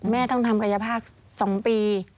แม่ต้องทำกัยภาคสองปี